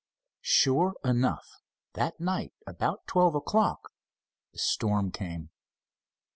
Sure enough. That night, about twelve o'clock, the storm came.